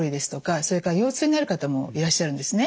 それから腰痛になる方もいらっしゃるんですね。